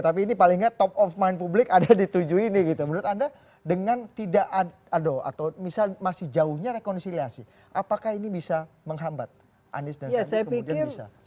dua puluh tiga tapi ini palingnya top of mind publik ada di tujuh ini gitu menurut anda dengan tidak atau misal masih jauhnya rekonsiliasi apakah ini bisa menghambat anies dan anies kemudian bisa